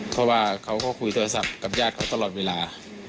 เพราะว่าเขาก็คุยโทรศัพท์กับญาติเขาตลอดเวลา